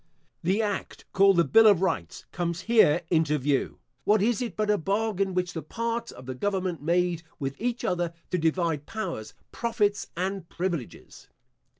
The act, called the Bill of Rights, comes here into view. What is it, but a bargain, which the parts of the government made with each other to divide powers, profits, and privileges?